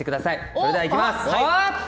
それではいきます。